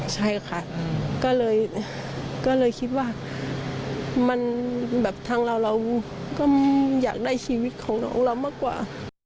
ใช่ค่ะก็เลยคิดว่ามันแบบทางเราเราก็อยากได้ชีวิตของน้องเรามากกว่า